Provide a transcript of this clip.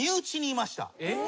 えっ？